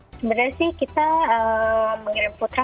sebenarnya sih kita mengirim putra